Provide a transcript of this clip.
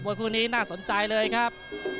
คู่นี้น่าสนใจเลยครับ